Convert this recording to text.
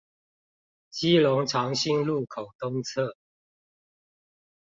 基隆長興路口東側